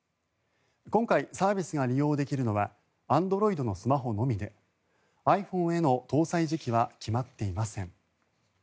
今回、サービスが利用できるのはＡｎｄｒｏｉｄのスマホのみでｉＰｈｏｎｅへの搭載時期は決まっていません。